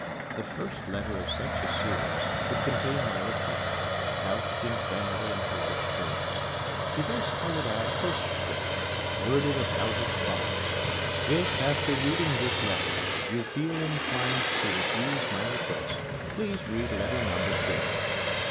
The first letter of such a series would contain my request, couched in friendly and polite terms. To this I would add a postscript, worded about as follows: "If, after reading this letter, you feel inclined to refuse my request, please read letter number two."